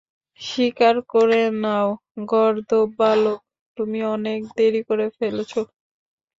স্বীকার করে নাও, গর্দভ বালক, তুমি অনেক দেরি করে ফেলেছ।